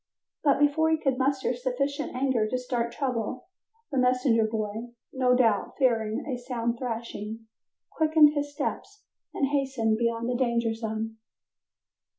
But before he could muster sufficient anger to start trouble, the messenger boy, no doubt fearing a sound thrashing, quickened his steps and hastened beyond the danger zone.